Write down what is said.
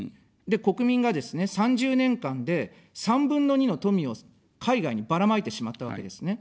で、国民がですね、３０年間で３分の２の富を海外にばらまいてしまったわけですね。